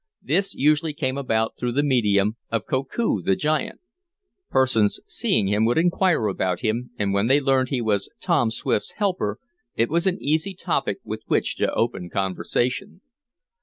This usually came about through the medium of Koku, the giant. Persons seeing him would inquire about him, and when they learned he was Tom Swift's helper it was an easy topic with which to open conversation.